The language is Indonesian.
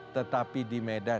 tetapi di medan